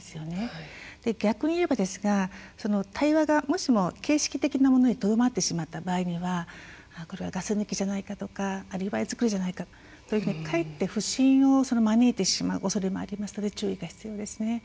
逆にいえばですが対話がもしも形式的なものにとどまってしまった場合にはこれはガス抜きじゃないかとかアリバイ作りじゃないかとかえって不信を招いてしまうおそれもありますので注意が必要ですね。